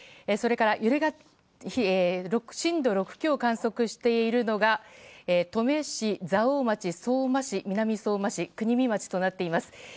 それから、震度６強を観測しているのが登米市、蔵王町相馬市、南相馬市国見町となっています。